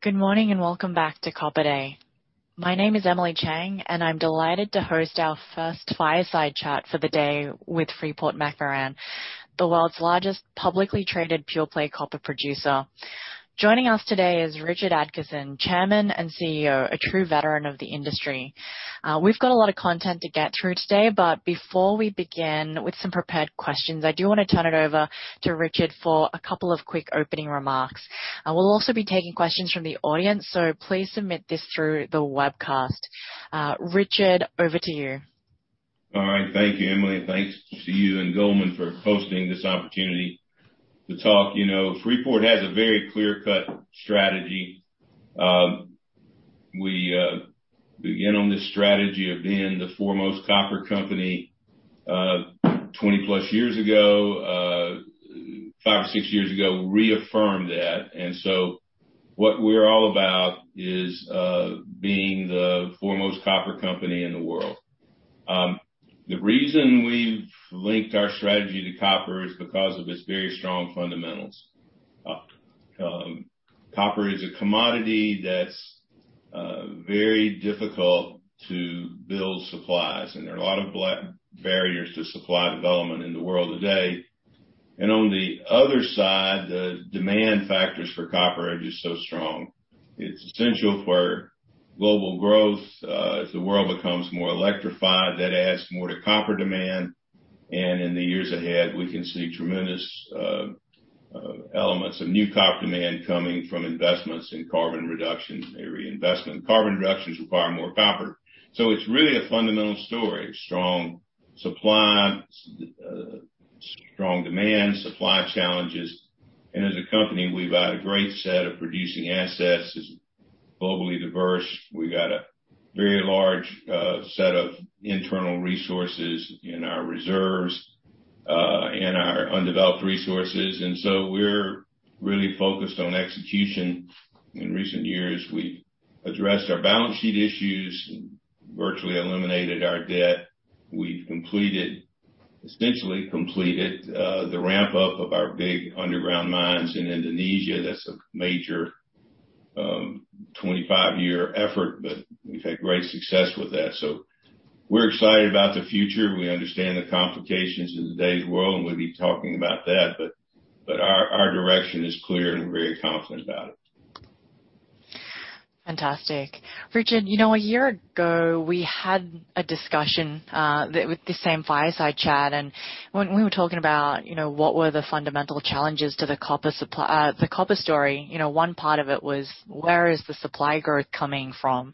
Good morning, and welcome back to Copper Day. My name is Emily Chieng, and I'm delighted to host our first fireside chat for the day with Freeport-McMoRan, the world's largest publicly traded pure-play copper producer. Joining us today is Richard Adkerson, Chairman and CEO, a true veteran of the industry. We've got a lot of content to get through today, but before we begin with some prepared questions, I do wanna turn it over to Richard for a couple of quick opening remarks. We'll also be taking questions from the audience, so please submit this through the webcast. Richard, over to you. All right. Thank you, Emily, and thanks to you and Goldman for hosting this opportunity to talk. You know, Freeport has a very clear-cut strategy. We began on this strategy of being the foremost copper company 20+ years ago. Five or six years ago, reaffirmed that. What we're all about is being the foremost copper company in the world. The reason we've linked our strategy to copper is because of its very strong fundamentals. Copper is a commodity that's very difficult to build supplies, and there are a lot of barriers to supply development in the world today. On the other side, the demand factors for copper are just so strong. It's essential for global growth. As the world becomes more electrified, that adds more to copper demand. In the years ahead, we can see tremendous elements of new copper demand coming from investments in carbon reduction area investment. Carbon reductions require more copper. It's really a fundamental story. Strong supply, strong demand, supply challenges. As a company, we've got a great set of producing assets. It's globally diverse. We've got a very large set of internal resources in our reserves, in our undeveloped resources, and so we're really focused on execution. In recent years, we've addressed our balance sheet issues and virtually eliminated our debt. We've essentially completed the ramp-up of our big underground mines in Indonesia. That's a major 25-year effort, but we've had great success with that. We're excited about the future. We understand the complications in today's world, and we'll be talking about that. Our direction is clear and very confident about it. Fantastic. Richard, you know, a year ago we had a discussion with the same fireside chat, and when we were talking about, you know, what were the fundamental challenges to the copper supply, the copper story, you know, one part of it was, where is the supply growth coming from?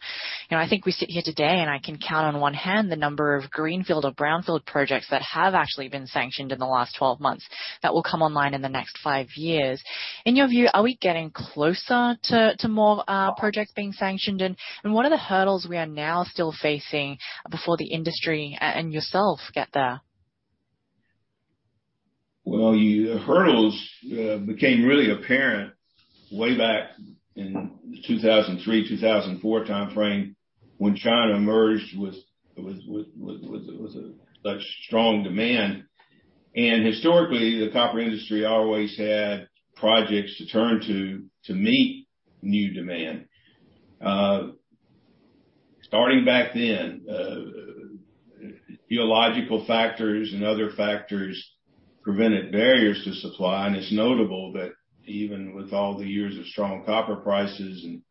You know, I think we sit here today, and I can count on one hand the number of greenfield or brownfield projects that have actually been sanctioned in the last 12 months that will come online in the next five years. In your view, are we getting closer to more projects being sanctioned? What are the hurdles we are now still facing before the industry and yourself get there? Well, the hurdles became really apparent way back in the 2003-2004 timeframe when China emerged with a strong demand. Historically, the copper industry always had projects to turn to meet new demand. Starting back then, geological factors and other factors presented barriers to supply. It's notable that even with all the years of strong copper prices and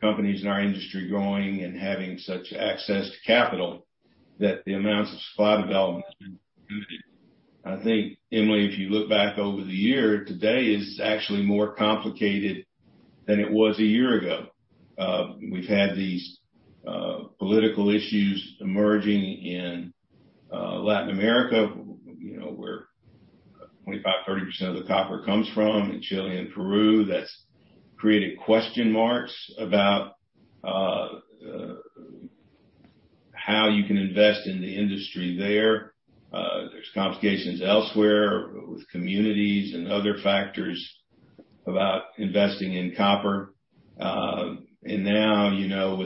companies in our industry growing and having such access to capital, that the amount of supply development. I think, Emily, if you look back over the year, today is actually more complicated than it was a year ago. We've had these political issues emerging in Latin America, you know, where 25%-30% of the copper comes from, in Chile and Peru. That's created question marks about how you can invest in the industry there. There's complications elsewhere with communities and other factors about investing in copper. Now, you know,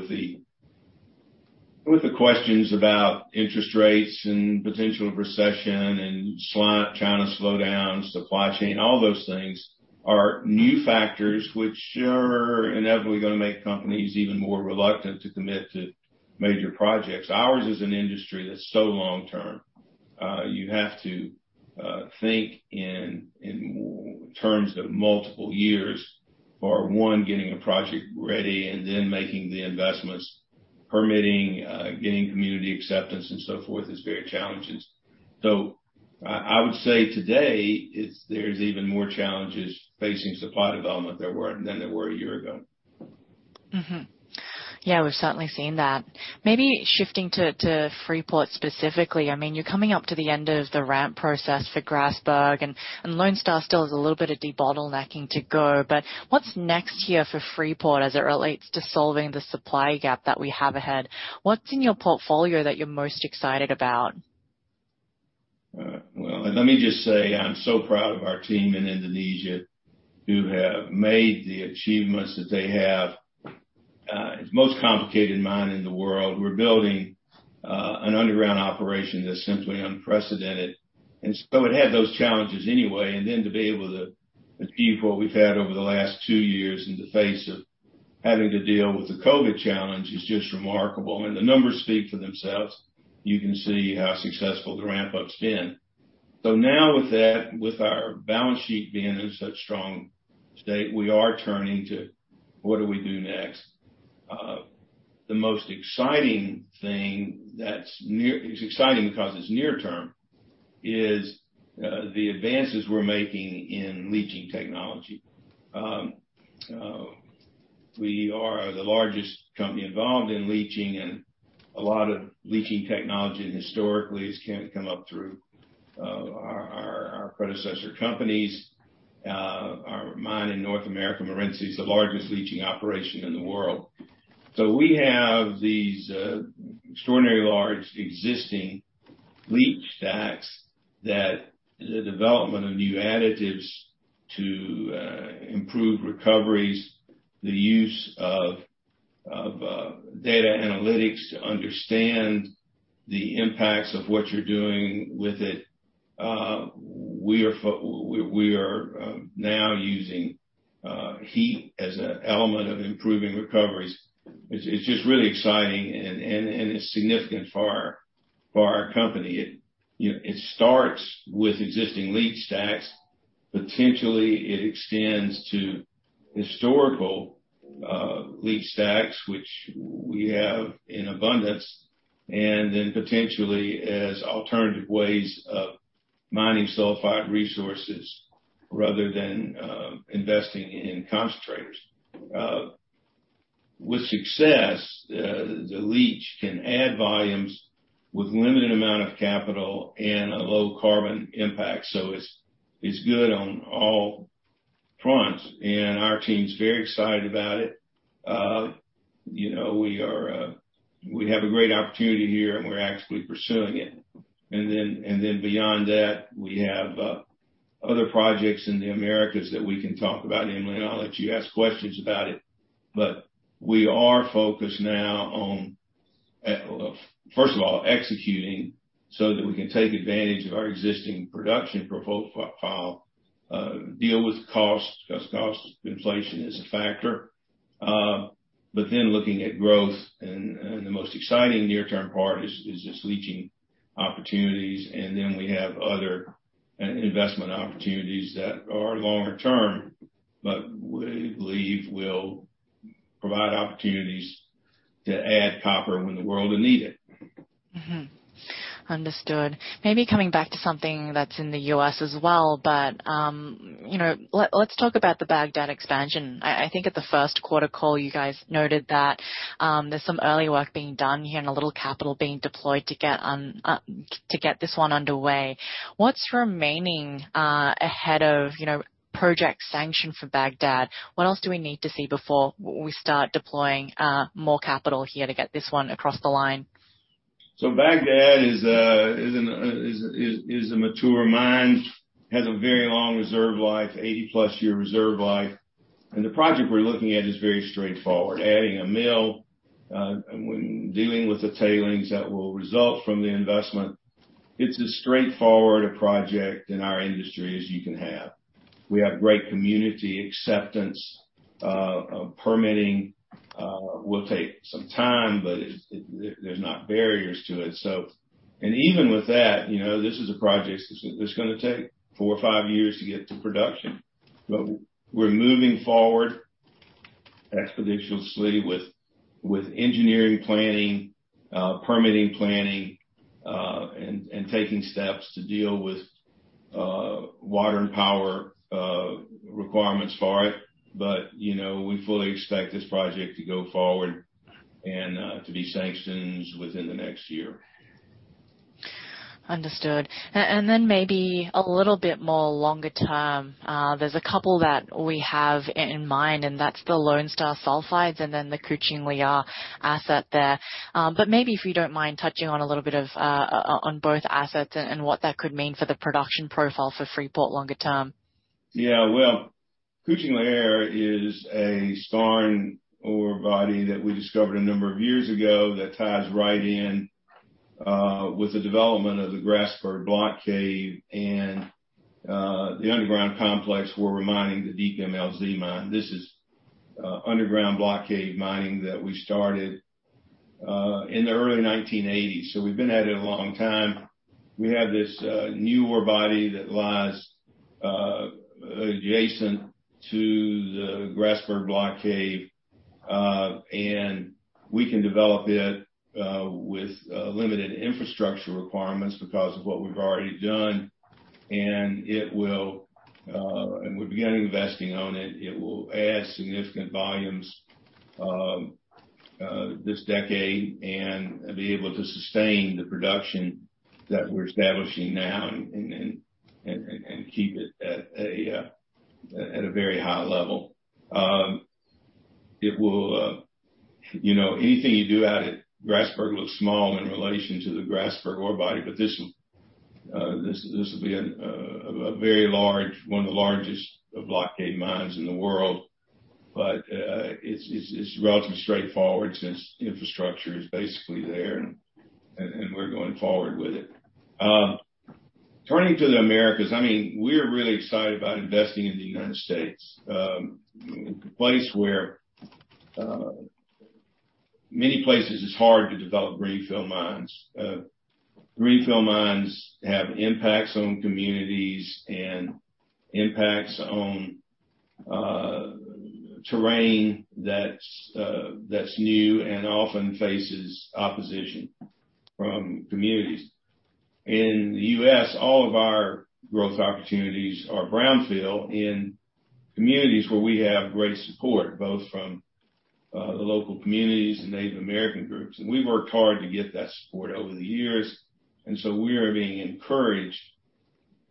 with the questions about interest rates and potential of recession and China slowdowns, supply chain, all those things are new factors which are inevitably gonna make companies even more reluctant to commit to major projects. Ours is an industry that's so long term. You have to think in terms of multiple years for one, getting a project ready and then making the investments, permitting, gaining community acceptance and so forth is very challenging. I would say today, there's even more challenges facing supply development than there were a year ago. Yeah, we've certainly seen that. Maybe shifting to Freeport specifically. I mean, you're coming up to the end of the ramp process for Grasberg, and Lone Star still has a little bit of debottlenecking to go. What's next here for Freeport as it relates to solving the supply gap that we have ahead? What's in your portfolio that you're most excited about? Well, let me just say, I'm so proud of our team in Indonesia who have made the achievements that they have. It's the most complicated mine in the world. We're building an underground operation that's simply unprecedented. It had those challenges anyway, and then to be able to achieve what we've had over the last two years in the face of having to deal with the COVID challenge is just remarkable. The numbers speak for themselves. You can see how successful the ramp-up's been. Now with that, with our balance sheet being in such strong state, we are turning to what do we do next? The most exciting thing that's near-term is exciting because it's near-term, the advances we're making in leaching technology. We are the largest company involved in leaching, and a lot of leaching technology historically has come up through our predecessor companies. Our mine in North America, Morenci, is the largest leaching operation in the world. We have these extraordinary large existing leach stacks that the development of new additives to improve recoveries, the use of data analytics to understand the impacts of what you're doing with it. We are now using heat as an element of improving recoveries. It's just really exciting and it's significant for our company. You know, it starts with existing leach stacks. Potentially it extends to historical leach stacks, which we have in abundance, and then potentially as alternative ways of mining sulfide resources rather than investing in concentrators. With success, the leach can add volumes with limited amount of capital and a low carbon impact. It's good on all fronts, and our team's very excited about it. You know, we have a great opportunity here, and we're actually pursuing it. Beyond that, we have other projects in the Americas that we can talk about. Emily, I'll let you ask questions about it. We are focused now on first of all executing so that we can take advantage of our existing production profile, deal with cost because cost inflation is a factor. Looking at growth and the most exciting near term part is just leaching opportunities. We have other investment opportunities that are longer term, but we believe will provide opportunities to add copper when the world will need it. Mm-hmm. Understood. Maybe coming back to something that's in the U.S. as well, but you know, let's talk about the Bagdad expansion. I think at the first quarter call, you guys noted that there's some early work being done here and a little capital being deployed to get this one underway. What's remaining ahead of project sanction for Bagdad? What else do we need to see before we start deploying more capital here to get this one across the line? Bagdad is a mature mine, has a very long reserve life, 80+ year reserve life. The project we're looking at is very straightforward. Adding a mill, and when dealing with the tailings that will result from the investment, it's as straightforward a project in our industry as you can have. We have great community acceptance. Permitting will take some time, but there are no barriers to it. Even with that, you know, this is a project that's gonna take four or five years to get to production. We're moving forward expeditiously with engineering planning, permitting planning, and taking steps to deal with water and power requirements for it. you know, we fully expect this project to go forward and to be sanctioned within the next year. Understood. Then maybe a little bit more longer term. There's a couple that we have in mind, and that's the Lone Star sulfides and then the Kucing Liar asset there. Maybe if you don't mind touching on a little bit of, on both assets and what that could mean for the production profile for Freeport longer term. Yeah. Well, Kucing Liar is a skarn ore body that we discovered a number of years ago that ties right in with the development of the Grasberg Block Cave and the underground complex we're mining, the DMLZ mine. This is underground Block Cave mining that we started in the early 1980s, so we've been at it a long time. We have this new ore body that lies adjacent to the Grasberg Block Cave and we can develop it with limited infrastructure requirements because of what we've already done. We began investing in it. It will add significant volumes this decade and be able to sustain the production that we're establishing now and keep it at a very high level. It will, you know, anything you do out at Grasberg looks small in relation to the Grasberg ore body, but this will be a very large one of the largest block cave mines in the world. It's relatively straightforward since infrastructure is basically there, and we're going forward with it. Turning to the Americas, I mean, we're really excited about investing in the United States, a place where many places it's hard to develop greenfield mines. Greenfield mines have impacts on communities and impacts on terrain that's new and often faces opposition from communities. In the U.S., all of our growth opportunities are brownfield in communities where we have great support, both from the local communities and Native American groups. We've worked hard to get that support over the years, and so we are being encouraged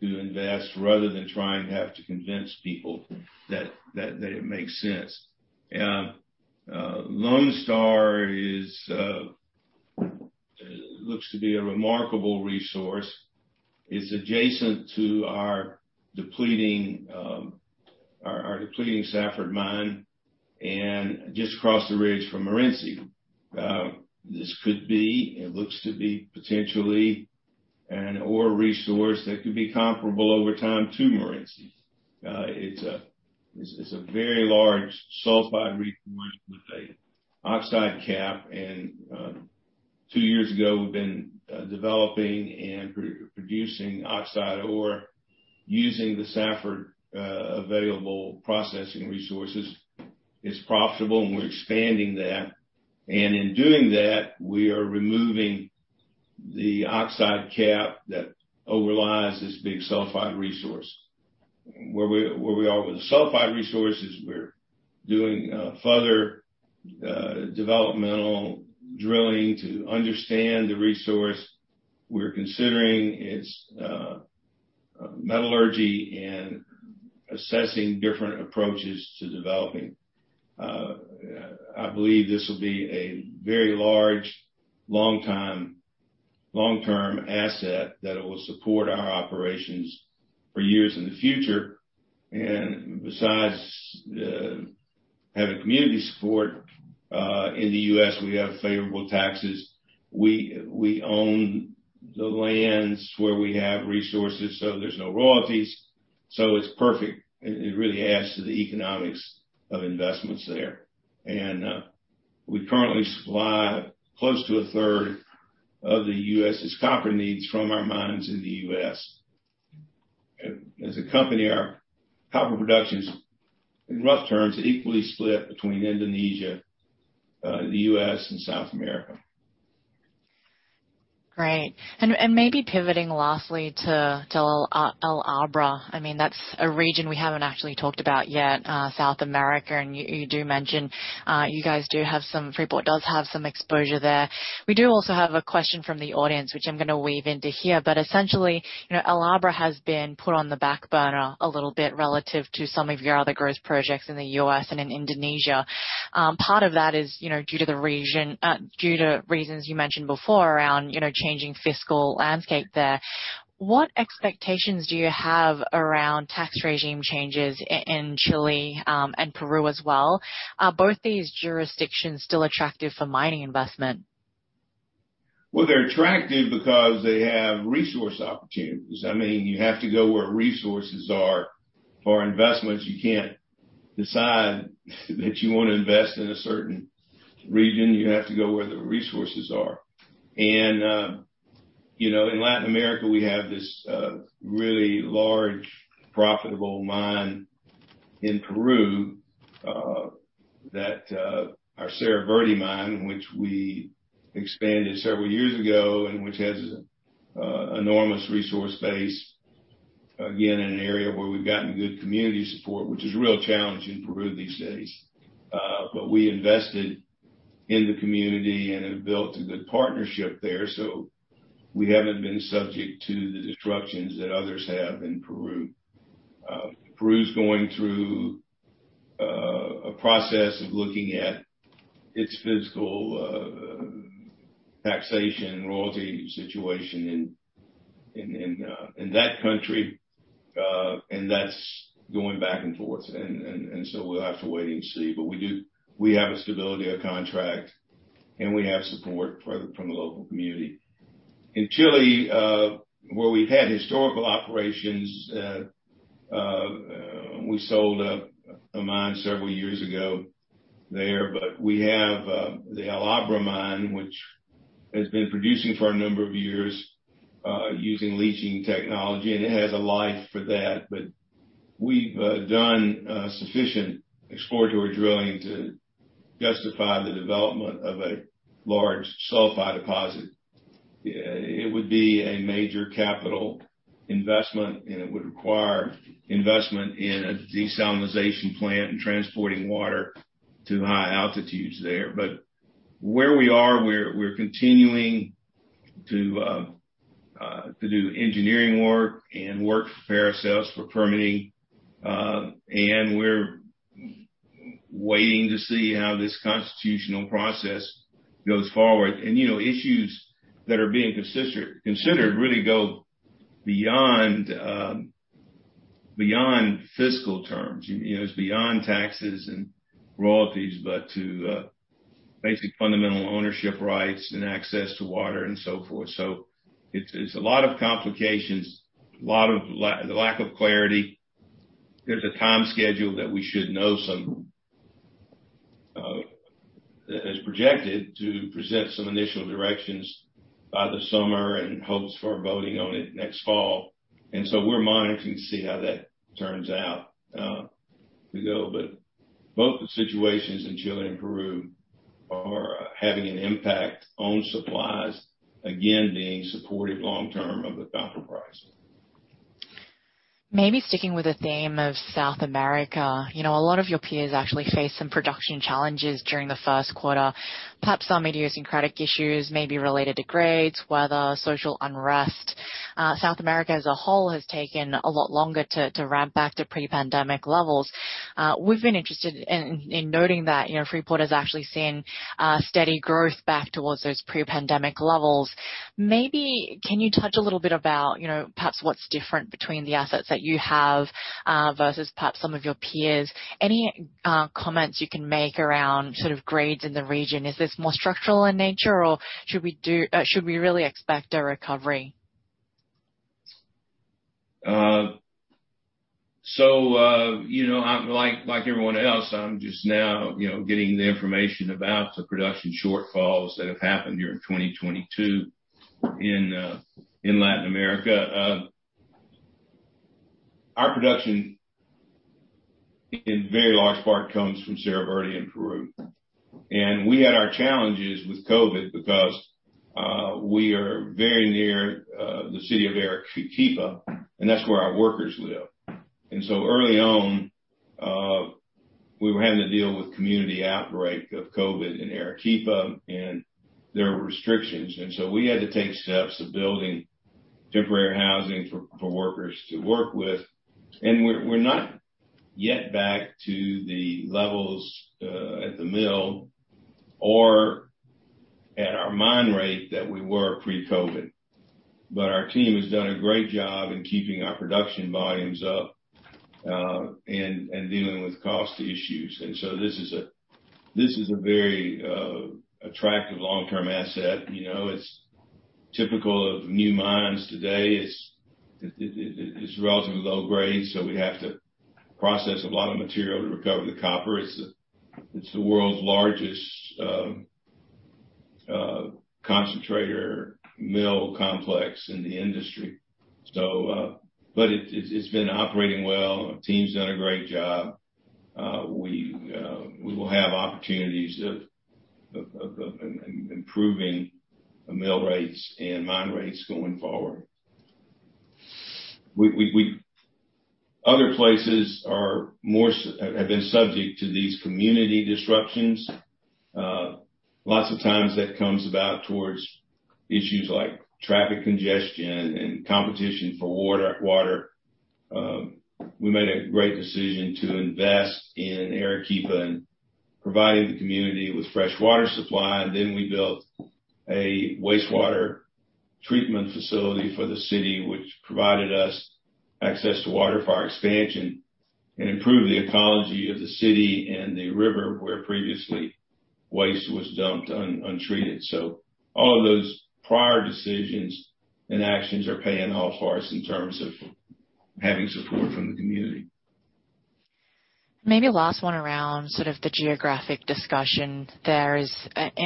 to invest rather than trying to have to convince people that it makes sense. Lone Star looks to be a remarkable resource. It's adjacent to our depleting Safford mine and just across the ridge from Morenci. This could be. It looks to be potentially an ore resource that could be comparable over time to Morenci. It's a very large sulfide resource with an oxide cap, and two years ago, we've been developing and producing oxide ore using the Safford available processing resources. It's profitable, and we're expanding that. In doing that, we are removing the oxide cap that overlies this big sulfide resource. Where we are with the sulfide resource is we're doing further developmental drilling to understand the resource. We're considering its metallurgy and assessing different approaches to developing. I believe this will be a very large long-term asset that will support our operations for years in the future. Besides having community support in the U.S., we have favorable taxes. We own the lands where we have resources, so there's no royalties. It's perfect. It really adds to the economics of investments there. We currently supply close to 1/3 of the U.S.'s copper needs from our mines in the U.S. As a company, our copper production is, in rough terms, equally split between Indonesia, the U.S., and South America. Great. Maybe pivoting lastly to El Abra. I mean, that's a region we haven't actually talked about yet, South America. You do mention Freeport does have some exposure there. We also have a question from the audience, which I'm gonna weave into here. Essentially, you know, El Abra has been put on the back burner a little bit relative to some of your other growth projects in the U.S. and in Indonesia. Part of that is, you know, due to reasons you mentioned before around, you know, changing fiscal landscape there. What expectations do you have around tax regime changes in Chile and Peru as well? Are both these jurisdictions still attractive for mining investment? Well, they're attractive because they have resource opportunities. I mean, you have to go where resources are for investments. You can't decide that you wanna invest in a certain region. You have to go where the resources are. You know, in Latin America, we have this really large, profitable mine in Peru, that our Cerro Verde mine, which we expanded several years ago and which has enormous resource base, again, in an area where we've gotten good community support, which is a real challenge in Peru these days. We invested in the community and have built a good partnership there, so we haven't been subject to the disruptions that others have in Peru. Peru's going through a process of looking at its fiscal taxation and royalty situation in that country, and that's going back and forth. We'll have to wait and see. We have a stability of contract, and we have support from the local community. In Chile, where we've had historical operations, we sold a mine several years ago there, but we have the El Abra mine, which has been producing for a number of years, using leaching technology, and it has a life for that. We've done sufficient exploratory drilling to justify the development of a large sulfide deposit. It would be a major capital investment, and it would require investment in a desalination plant and transporting water to the high altitudes there. Where we are, we're continuing to do engineering work and work for ourselves for permitting, and we're waiting to see how this constitutional process goes forward. You know, issues that are being considered really go beyond fiscal terms. You know, it's beyond taxes and royalties, but to basic fundamental ownership rights and access to water and so forth. It's a lot of complications, a lot of lack of clarity. There's a time schedule that we should know that is projected to present some initial directions by the summer and hopes for voting on it next fall. We're monitoring to see how that turns out, you know. Both the situations in Chile and Peru are having an impact on supplies, again, being supportive long-term of the copper price. Maybe sticking with the theme of South America. You know, a lot of your peers actually faced some production challenges during the first quarter. Perhaps some idiosyncratic issues may be related to grades, weather, social unrest. South America as a whole has taken a lot longer to ramp back to pre-pandemic levels. We've been interested in noting that, you know, Freeport has actually seen steady growth back towards those pre-pandemic levels. Maybe can you touch a little bit about, you know, perhaps what's different between the assets that you have versus perhaps some of your peers? Any comments you can make around sort of grades in the region? Is this more structural in nature or should we really expect a recovery? You know, I'm like everyone else, I'm just now, you know, getting the information about the production shortfalls that have happened during 2022 in Latin America. Our production in very large part comes from Cerro Verde in Peru. We had our challenges with COVID because we are very near the city of Arequipa, and that's where our workers live. Early on, we were having to deal with community outbreak of COVID in Arequipa, and there were restrictions. We had to take steps of building temporary housing for workers to work with. We're not yet back to the levels at the mill or at our mine rate that we were pre-COVID. Our team has done a great job in keeping our production volumes up, and dealing with cost issues. This is a very attractive long-term asset. You know, it's typical of new mines today. It's relatively low grade, so we have to process a lot of material to recover the copper. It's the world's largest concentrator mill complex in the industry. It's been operating well. Our team's done a great job. We will have opportunities of improving the mill rates and mine rates going forward. Other places have been subject to these community disruptions. Lots of times that comes about towards issues like traffic congestion and competition for water. We made a great decision to invest in Arequipa and providing the community with fresh water supply. We built a wastewater treatment facility for the city, which provided us access to water for our expansion and improved the ecology of the city and the river, where previously waste was dumped untreated. All of those prior decisions and actions are paying off for us in terms of having support from the community. Maybe last one around sort of the geographic discussion there is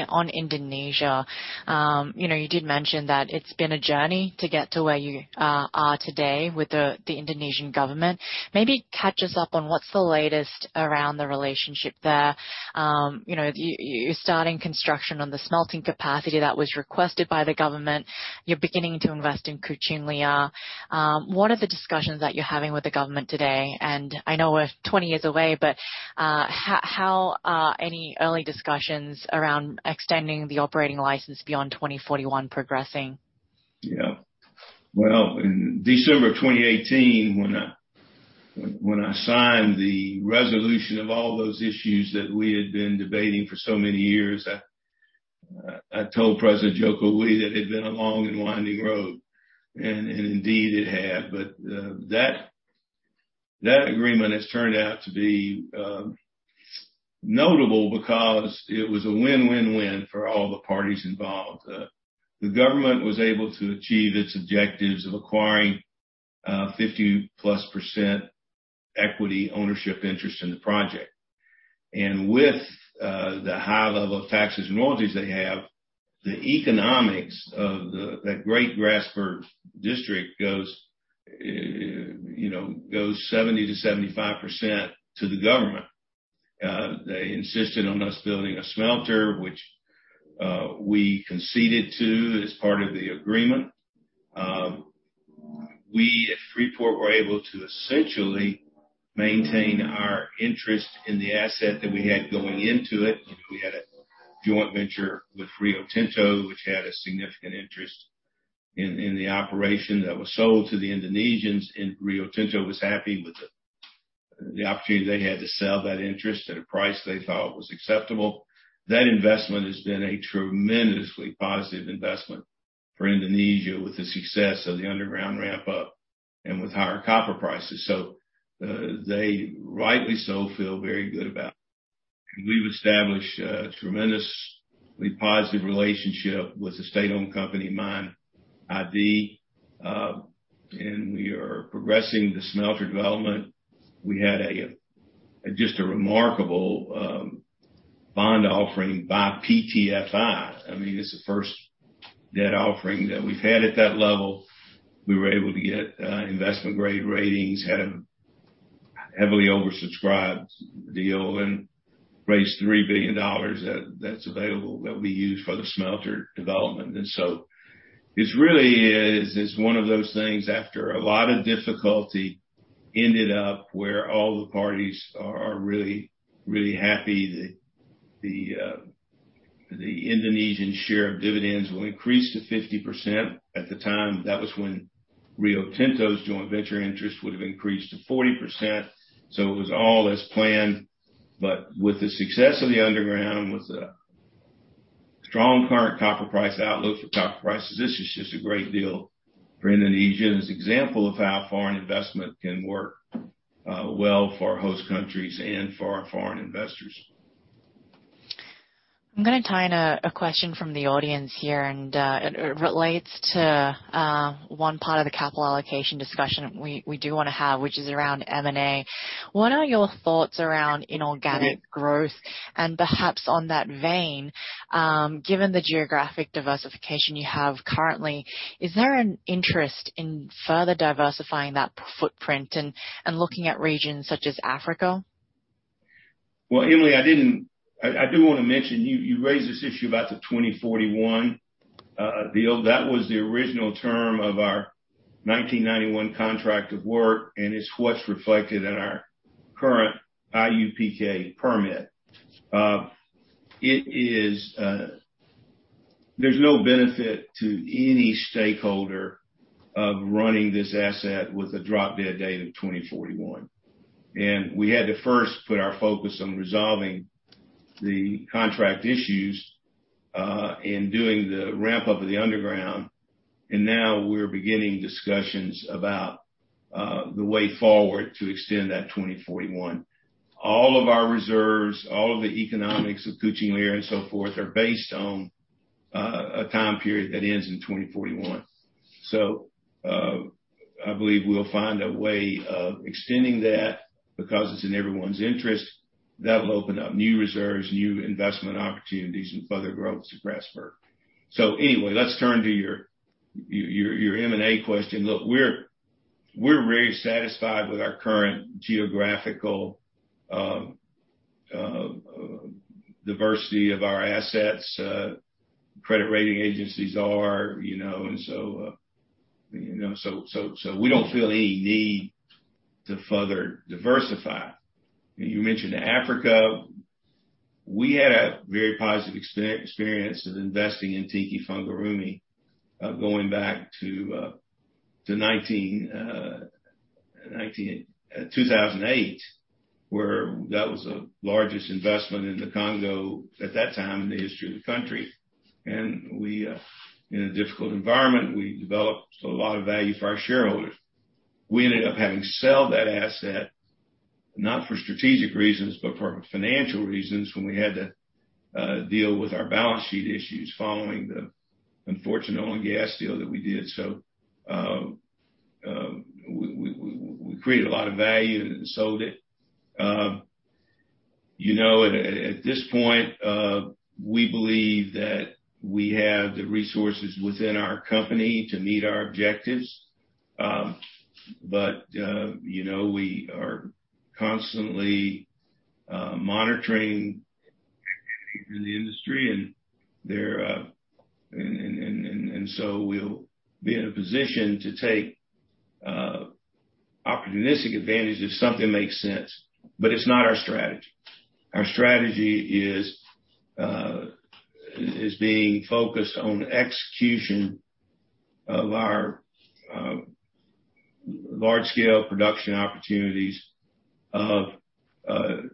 on Indonesia. You know, you did mention that it's been a journey to get to where you are today with the Indonesian government. Maybe catch us up on what's the latest around the relationship there. You know, you're starting construction on the smelting capacity that was requested by the government. You're beginning to invest in Kucing Liar. What are the discussions that you're having with the government today? I know we're 20 years away, but how are any early discussions around extending the operating license beyond 2041 progressing? Yeah. Well, in December of 2018, when I signed the resolution of all those issues that we had been debating for so many years, I told President Joko that it had been a long and winding road, and indeed it had. That agreement has turned out to be notable because it was a win-win-win for all the parties involved. The government was able to achieve its objectives of acquiring 50%+ equity ownership interest in the project. And with the high level of taxes and royalties they have, the economics of that Grasberg district goes, you know, goes 70%-75% to the government. They insisted on us building a smelter, which we conceded to as part of the agreement. We at Freeport were able to essentially maintain our interest in the asset that we had going into it. We had a joint venture with Rio Tinto, which had a significant interest in the operation that was sold to the Indonesians, and Rio Tinto was happy with the opportunity they had to sell that interest at a price they thought was acceptable. That investment has been a tremendously positive investment for Indonesia with the success of the underground ramp up and with higher copper prices. They rightly so feel very good about. We've established a tremendously positive relationship with the state-owned company, MIND ID, and we are progressing the smelter development. We had just a remarkable bond offering by PTFI. I mean, it's the first debt offering that we've had at that level. We were able to get investment-grade ratings, had a heavily oversubscribed deal and raised $3 billion that's available that we use for the smelter development. It really is one of those things after a lot of difficulty ended up where all the parties are really happy that the Indonesian share of dividends will increase to 50%. At the time, that was when Rio Tinto's joint venture interest would have increased to 40%. It was all as planned. With the success of the underground, with the strong current copper price outlook for copper prices, this is just a great deal for Indonesia, and it's an example of how foreign investment can work well for host countries and for our foreign investors. I'm gonna tie in a question from the audience here, and it relates to one part of the capital allocation discussion we do wanna have, which is around M&A. What are your thoughts around inorganic growth? Perhaps on that vein, given the geographic diversification you have currently, is there an interest in further diversifying that footprint and looking at regions such as Africa? Well, Emily, I do wanna mention, you raised this issue about the 2041 deal. That was the original term of our 1991 contract of work, and it's what's reflected in our current IUPK permit. There's no benefit to any stakeholder of running this asset with a drop-dead date of 2041. We had to first put our focus on resolving the contract issues and doing the ramp-up of the underground. Now we're beginning discussions about the way forward to extend that 2041. All of our reserves, all of the economics of Kucing Liar and so forth are based on a time period that ends in 2041. I believe we'll find a way of extending that because it's in everyone's interest. That will open up new reserves, new investment opportunities and further growth to Grasberg. Anyway, let's turn to your M&A question. Look, we're very satisfied with our current geographical diversity of our assets. Credit rating agencies are, you know, so we don't feel any need to further diversify. You mentioned Africa. We had a very positive experience with investing in Tenke Fungurume, going back to 2008, where that was the largest investment in the Congo at that time in the history of the country. In a difficult environment, we developed a lot of value for our shareholders. We ended up having to sell that asset, not for strategic reasons, but for financial reasons when we had to deal with our balance sheet issues following the unfortunate oil and gas deal that we did. We created a lot of value and sold it. You know, at this point, we believe that we have the resources within our company to meet our objectives. You know, we are constantly monitoring activity in the industry and so we'll be in a position to take opportunistic advantage if something makes sense. It's not our strategy. Our strategy is being focused on execution of our large scale production opportunities of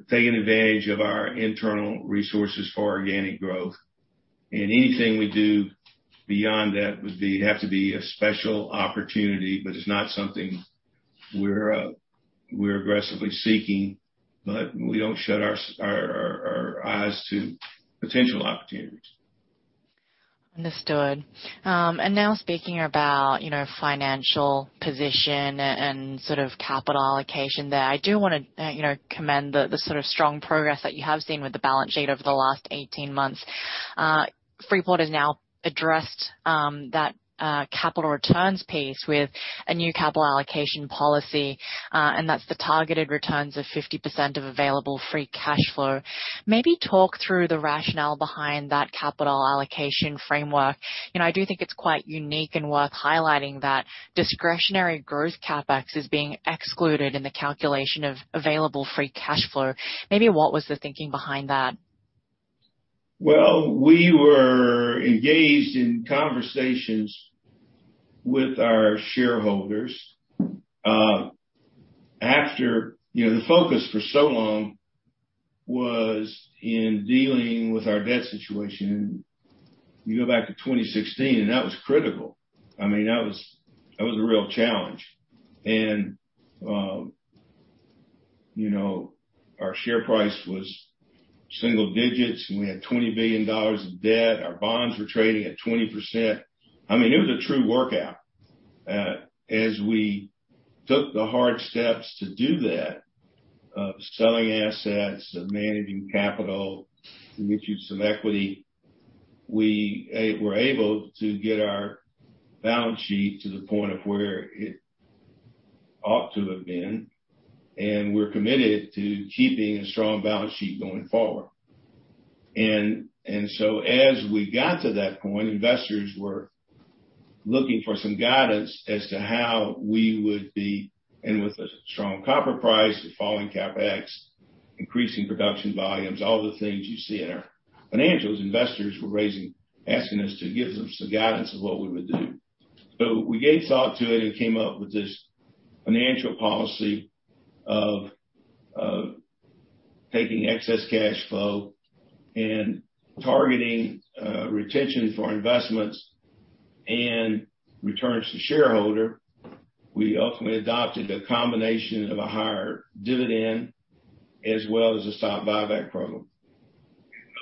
taking advantage of our internal resources for organic growth. Anything we do beyond that would be, have to be a special opportunity, but it's not something we're aggressively seeking, but we don't shut our eyes to potential opportunities. Understood. Speaking about, you know, financial position and sort of capital allocation there, I do wanna, you know, commend the sort of strong progress that you have seen with the balance sheet over the last 18 months. Freeport has now addressed that capital returns piece with a new capital allocation policy, and that's the targeted returns of 50% of available free cash flow. Maybe talk through the rationale behind that capital allocation framework. You know, I do think it's quite unique and worth highlighting that discretionary growth CapEx is being excluded in the calculation of available free cash flow. Maybe what was the thinking behind that? Well, we were engaged in conversations with our shareholders, after. You know, the focus for so long was in dealing with our debt situation. You go back to 2016, and that was critical. I mean, that was a real challenge. Our share price was single digits, and we had $20 billion of debt. Our bonds were trading at 20%. I mean, it was a true workout. As we took the hard steps to do that, selling assets and managing capital to get you some equity, we were able to get our balance sheet to the point of where it ought to have been, and we're committed to keeping a strong balance sheet going forward. Investors were looking for some guidance as to how we would be. With a strong copper price and falling CapEx, increasing production volumes, all the things you see in our financials, investors were asking us to give them some guidance of what we would do. We gave thought to it and came up with this financial policy of taking excess cash flow and targeting retention for investments and returns to shareholder. We ultimately adopted a combination of a higher dividend as well as a stock buyback program.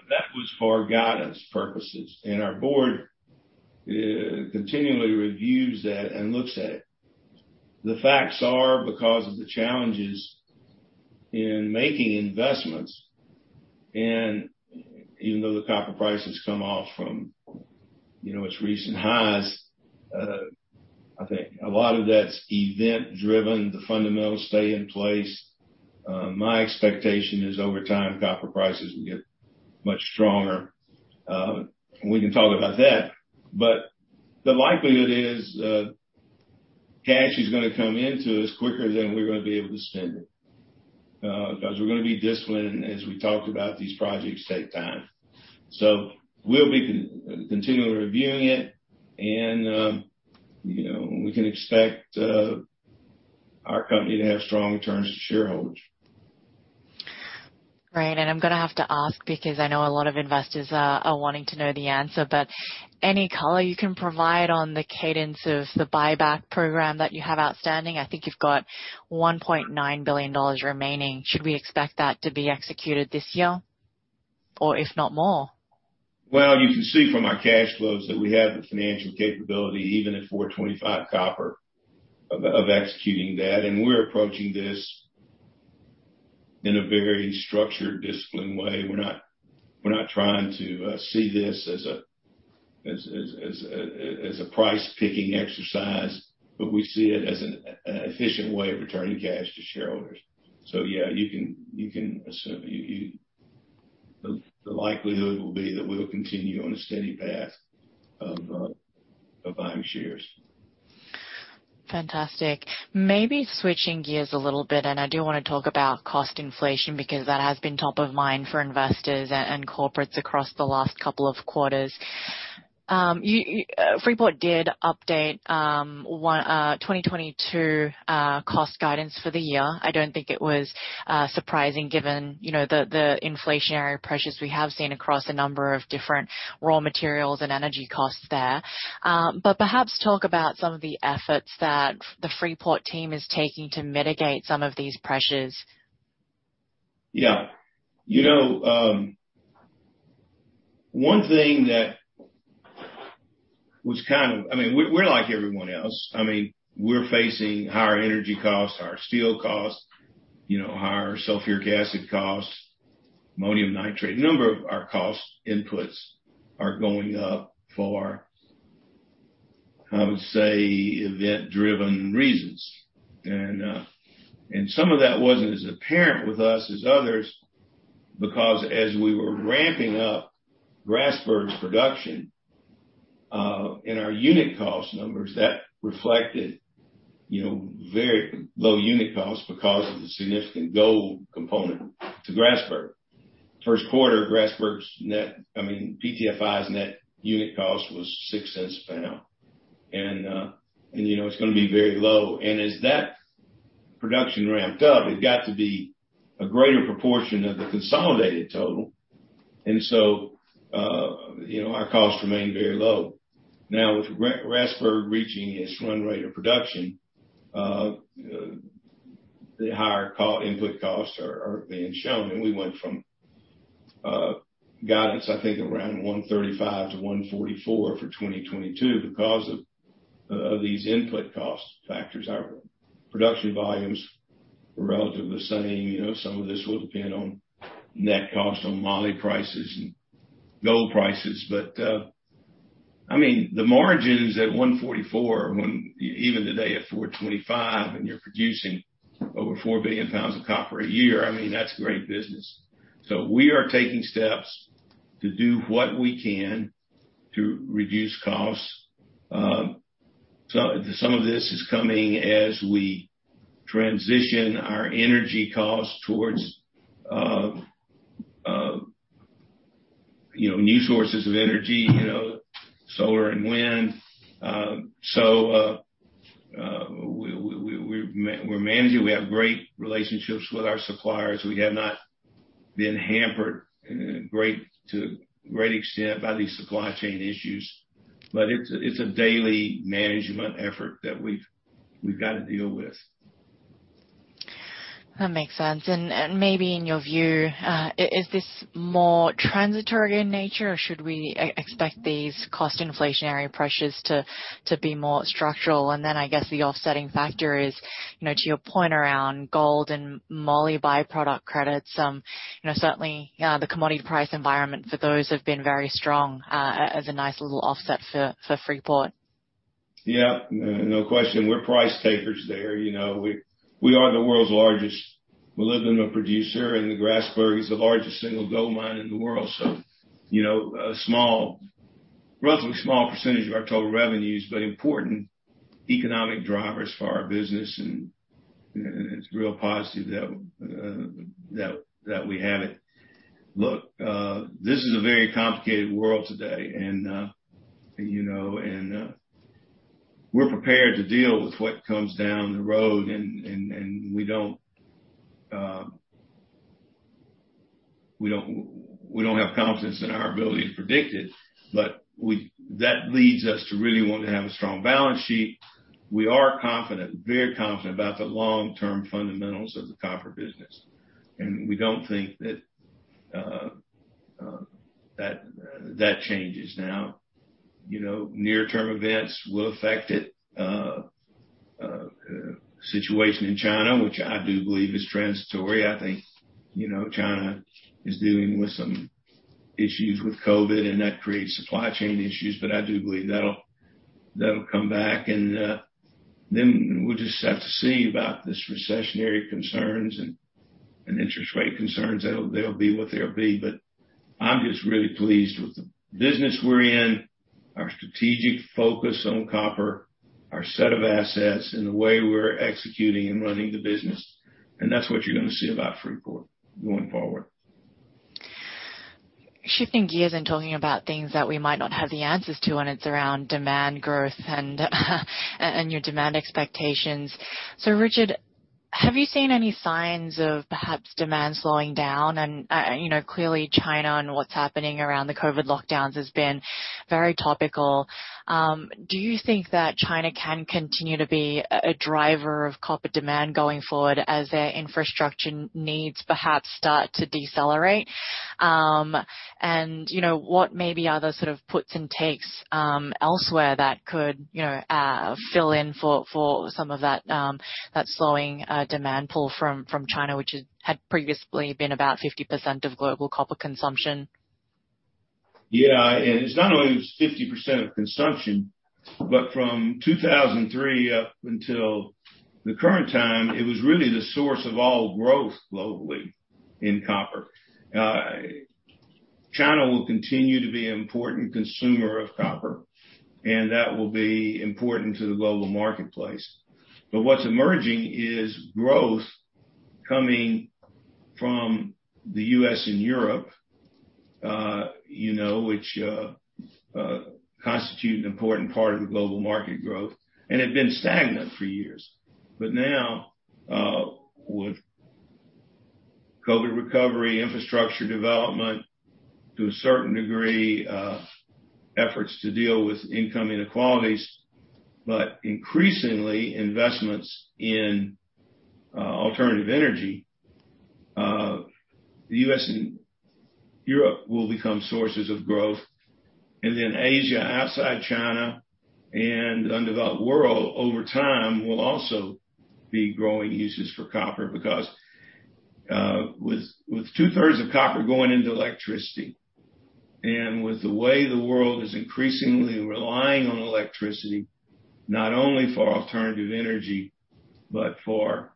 That was for guidance purposes, and our board continually reviews that and looks at it. The facts are because of the challenges in making investments, and even though the copper price has come off from, you know, its recent highs, I think a lot of that's event-driven. The fundamentals stay in place. My expectation is, over time, copper prices will get much stronger. We can talk about that, but the likelihood is, cash is gonna come into us quicker than we're gonna be able to spend it, 'cause we're gonna be disciplined, and as we talked about, these projects take time. We'll be continually reviewing it and, you know, we can expect our company to have strong returns to shareholders. Great. I'm gonna have to ask because I know a lot of investors are wanting to know the answer. Any color you can provide on the cadence of the buyback program that you have outstanding? I think you've got $1.9 billion remaining. Should we expect that to be executed this year, or if not more? Well, you can see from our cash flows that we have the financial capability, even at $4.25 copper, of executing that. We're approaching this in a very structured, disciplined way. We're not trying to see this as a price-picking exercise, but we see it as an efficient way of returning cash to shareholders. Yeah, you can assume. The likelihood will be that we'll continue on a steady path of buying shares. Fantastic. Maybe switching gears a little bit, and I do wanna talk about cost inflation because that has been top of mind for investors and corporates across the last couple of quarters. Freeport did update 2022 cost guidance for the year. I don't think it was surprising given you know the inflationary pressures we have seen across a number of different raw materials and energy costs there. Perhaps talk about some of the efforts that the Freeport team is taking to mitigate some of these pressures. Yeah. You know, one thing that was kind of. I mean, we're like everyone else. I mean, we're facing higher energy costs, higher steel costs, you know, higher sulfuric acid costs, ammonium nitrate. A number of our cost inputs are going up for, I would say, event-driven reasons. Some of that wasn't as apparent with us as others because as we were ramping up Grasberg's production and our unit cost numbers, that reflected, you know, very low unit costs because of the significant gold component to Grasberg. First quarter, Grasberg's net, I mean, PTFI's net unit cost was $0.06 a lbs. You know, it's gonna be very low. As that production ramped up, it got to be a greater proportion of the consolidated total. You know, our costs remained very low. Now, with Grasberg reaching its run rate of production, the higher copper input costs are being shown. We went from guidance, I think, around $1.35-$1.44 for 2022 because of these input cost factors. Our production volumes were relatively the same. You know, some of this will depend on net cost on moly prices and gold prices. I mean, the margins at $1.44 when even today at $4.25, and you're producing over 4 billion lbs of copper a year, I mean, that's great business. We are taking steps to do what we can to reduce costs. Some of this is coming as we transition our energy costs towards new sources of energy, you know, solar and wind. We're managing. We have great relationships with our suppliers. We have not been hampered to a great extent by these supply chain issues. It's a daily management effort that we've got to deal with. That makes sense. Maybe in your view, is this more transitory in nature, or should we expect these cost inflationary pressures to be more structural? I guess the offsetting factor is, you know, to your point around gold and moly by-product credits, you know, certainly, the commodity price environment for those have been very strong, as a nice little offset for Freeport. Yeah, no question. We're price takers there, you know. We are the world's largest molybdenum producer, and Grasberg is the largest single gold mine in the world. So, you know, a small, relatively small percentage of our total revenues, but important economic drivers for our business, and it's real positive that we have it. Look, this is a very complicated world today and, you know, we're prepared to deal with what comes down the road. We don't have confidence in our ability to predict it. That leads us to really want to have a strong balance sheet. We are confident, very confident about the long-term fundamentals of the copper business, and we don't think that changes now. You know, near-term events will affect it. Situation in China, which I do believe is transitory. I think, you know, China is dealing with some issues with COVID, and that creates supply chain issues, but I do believe that'll come back. Then we'll just have to see about this recessionary concerns and interest rate concerns. They'll be what they'll be. I'm just really pleased with the business we're in, our strategic focus on copper, our set of assets, and the way we're executing and running the business, and that's what you're gonna see about Freeport going forward. Shifting gears and talking about things that we might not have the answers to, and it's around demand growth and your demand expectations. Richard, have you seen any signs of perhaps demand slowing down? You know, clearly China and what's happening around the COVID lockdowns has been very topical. Do you think that China can continue to be a driver of copper demand going forward as their infrastructure needs perhaps start to decelerate? You know, what maybe are the sort of puts and takes elsewhere that could fill in for some of that slowing demand pull from China, which had previously been about 50% of global copper consumption? Yeah. It's not only it was 50% of consumption, but from 2003 up until the current time, it was really the source of all growth globally in copper. China will continue to be an important consumer of copper, and that will be important to the global marketplace. What's emerging is growth coming from the U.S. and Europe, you know, which constitute an important part of the global market growth and have been stagnant for years. Now, with COVID recovery, infrastructure development, to a certain degree, efforts to deal with income inequalities, but increasingly investments in alternative energy, the U.S. and Europe will become sources of growth. Asia, outside China and the developing world over time, will also be growing uses for copper. Because with 2/3 of copper going into electricity and with the way the world is increasingly relying on electricity, not only for alternative energy, but for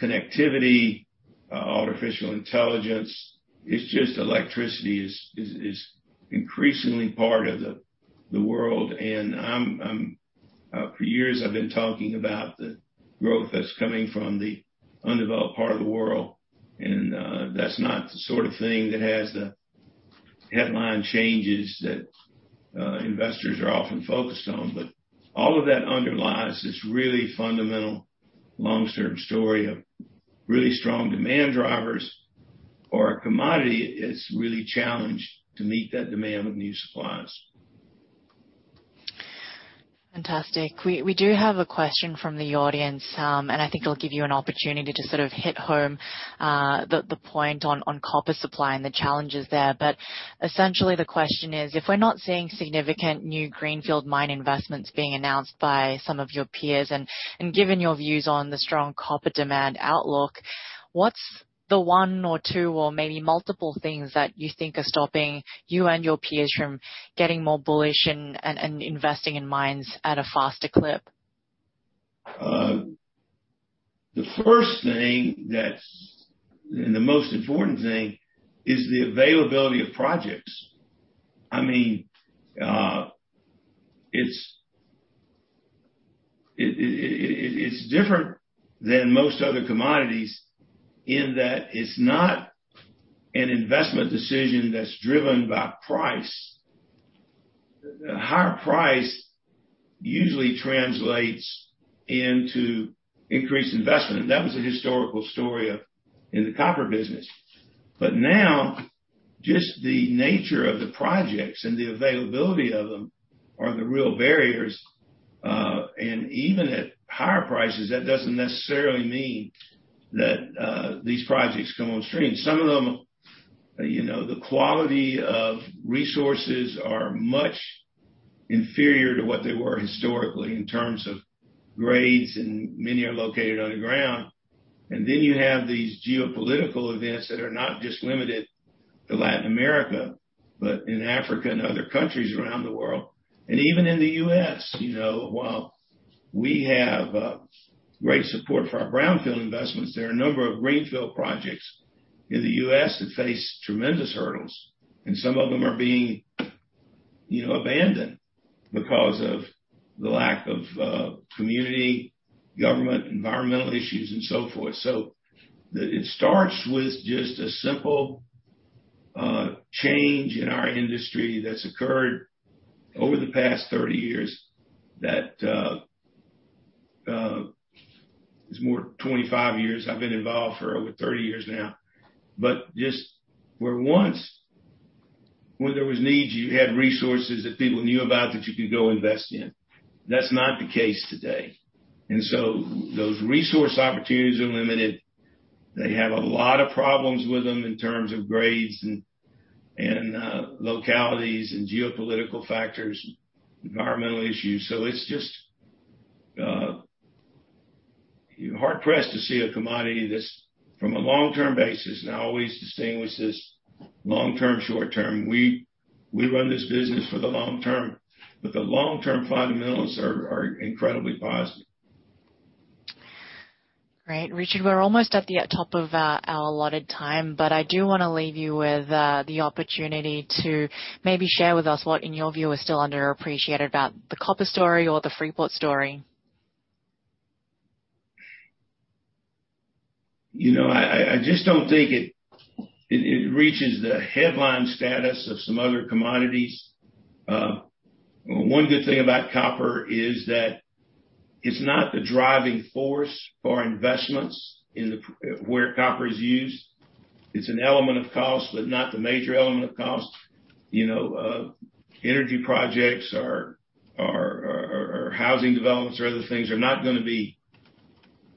connectivity, artificial intelligence, it's just electricity is increasingly part of the world. I'm for years I've been talking about the growth that's coming from the undeveloped part of the world, and that's not the sort of thing that has the headline changes that investors are often focused on. All of that underlies this really fundamental long-term story of really strong demand drivers for a commodity that's really challenged to meet that demand with new supplies. Fantastic. We do have a question from the audience, and I think it'll give you an opportunity to sort of hit home, the point on copper supply and the challenges there. Essentially the question is, if we're not seeing significant new greenfield mine investments being announced by some of your peers, and given your views on the strong copper demand outlook, what's the one or two or maybe multiple things that you think are stopping you and your peers from getting more bullish and investing in mines at a faster clip? The most important thing is the availability of projects. I mean, it's different than most other commodities in that it's not an investment decision that's driven by price. A higher price usually translates into increased investment. That was a historical story of in the copper business. Now just the nature of the projects and the availability of them are the real barriers. Even at higher prices, that doesn't necessarily mean that these projects come on stream. Some of them, you know, the quality of resources are much inferior to what they were historically in terms of grades, and many are located underground. Then you have these geopolitical events that are not just limited to Latin America, but in Africa and other countries around the world, and even in the U.S. You know, while we have great support for our brownfield investments, there are a number of greenfield projects in the U.S. That face tremendous hurdles, and some of them are being, you know, abandoned because of the lack of community, government, environmental issues and so forth. It starts with just a simple change in our industry that's occurred over the past 30 years that is more 25 years. I've been involved for over 30 years now. Just where once when there was needs, you had resources that people knew about that you could go invest in. That's not the case today. Those resource opportunities are limited. They have a lot of problems with them in terms of grades and localities and geopolitical factors, environmental issues. It's just you're hard-pressed to see a commodity that's from a long-term basis, and I always distinguish this long term, short term. We run this business for the long term, but the long-term fundamentals are incredibly positive. Great. Richard, we're almost at the top of our allotted time, but I do wanna leave you with the opportunity to maybe share with us what in your view is still underappreciated about the copper story or the Freeport story. You know, I just don't think it reaches the headline status of some other commodities. One good thing about copper is that it's not the driving force for investments where copper is used. It's an element of cost, but not the major element of cost. You know, energy projects or housing developments or other things are not gonna be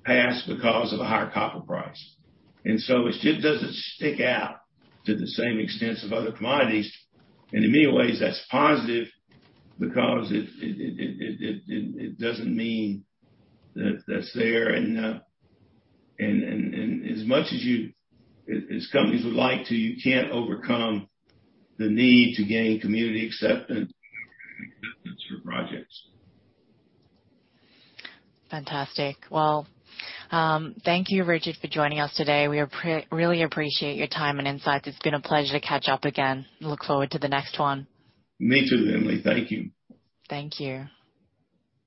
passed because of a higher copper price. It just doesn't stick out to the same extent of other commodities. In many ways, that's positive because it doesn't mean that that's there and as much as companies would like to, you can't overcome the need to gain community acceptance for projects. Fantastic. Well, thank you, Richard, for joining us today. We really appreciate your time and insights. It's been a pleasure to catch up again. Look forward to the next one. Me too, Emily. Thank you. Thank you.